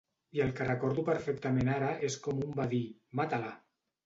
I el que recordo perfectament ara és com un va dir: Mata-la!